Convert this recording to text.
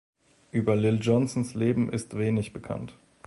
Über Lil Johnsons Leben ist wenig bekannt.